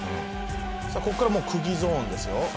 さあここからもうクギゾーンですよ。